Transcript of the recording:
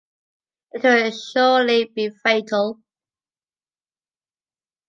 It will surely be fatal.